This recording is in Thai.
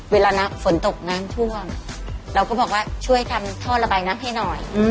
เวลาฝนตกน้ำท่วมเราก็บอกว่าช่วยทำท่อระบายน้ำให้หน่อย